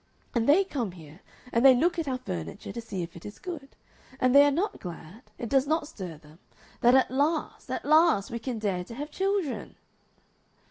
And they come here, and they look at our furniture to see if it is good; and they are not glad, it does not stir them, that at last, at last we can dare to have children."